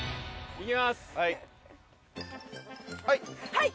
はい。